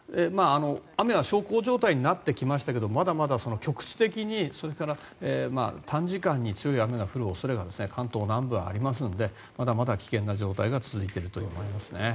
雨は小康状態になってきましたがまだまだ局地的に短時間に強い雨が降る恐れが関東南部にはありますのでまだまだ危険な状態が続いているということですね。